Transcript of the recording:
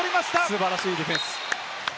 素晴らしいディフェンス。